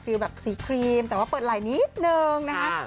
ฟีลแบบสีครีมแต่ว่าเปิดลายนิดหนึ่งนะคะ